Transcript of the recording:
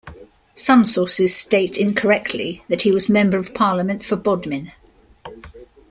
Some sources state incorrectly that he was Member of Parliament for Bodmin.